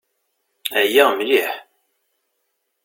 Ɛyiɣ mliḥ.